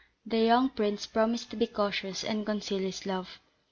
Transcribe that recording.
The young prince promised to be cautious, and conceal his love.